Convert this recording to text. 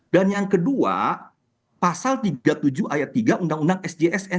dan yang kedua pasal tiga puluh tujuh ayat tiga undang undang sjsn